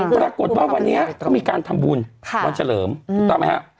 ปรากฏว่าวันนี้เขามีการทำบุญวันเฉลิมถูกต้องไหมฮะ